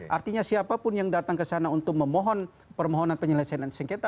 artinya siapapun yang datang ke sana untuk memohon permohonan penyelesaian sengketa